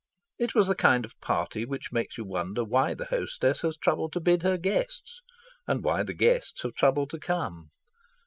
It was the kind of party which makes you wonder why the hostess has troubled to bid her guests, and why the guests have troubled to come.